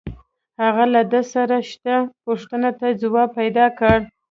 هغه له ده سره شته پوښتنو ته ځواب پیدا کړ